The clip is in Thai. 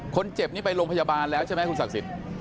คนเจ็บนี่ไปโรงพยาบาลแล้วใช่ไหมครับวุฒาศักดิน